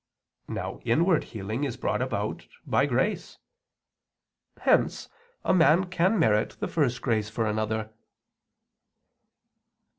Now inward healing is brought about by grace. Hence a man can merit the first grace for another.